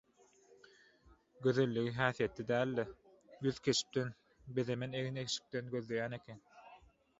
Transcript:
Gözelligi häsiýetde däl-de, ýüz keşpden, bezemen egin-eşikden gözleýän eken.